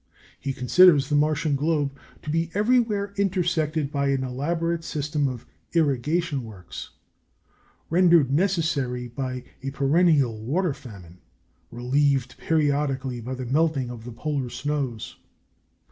He considers the Martian globe to be everywhere intersected by an elaborate system of irrigation works, rendered necessary by a perennial water famine, relieved periodically by the melting of the polar snows.